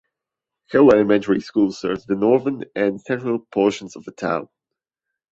Caroline Elementary School serves the northern and central portions of the town.